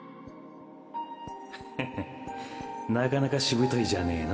ヘヘッなかなかしぶといじゃねえの。